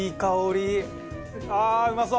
ああうまそう！